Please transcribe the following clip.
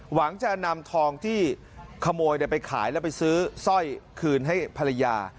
หวังจะนำทองที่ขโมยไปขายแล้วไปซื้อสร้อยคืนให้ภรรยา